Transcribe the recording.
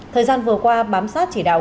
thời gian vừa qua bám sát chỉ đạo